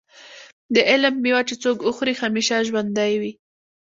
د علم مېوه چې څوک وخوري همیشه ژوندی وي.